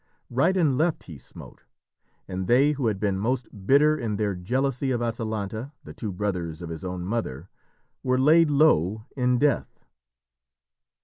Right and left he smote, and they who had been most bitter in their jealousy of Atalanta, the two brothers of his own mother, were laid low in death.